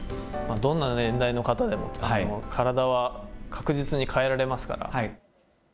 どんな年代の方でも、体は確実に変えられますから。